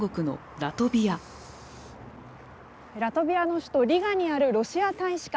ラトビアの首都リガにあるロシア大使館。